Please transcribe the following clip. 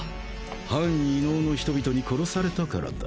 反異能の人々に殺されたからだ。